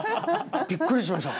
びっくりしました。